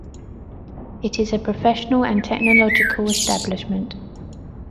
It is a professional and technological establishment.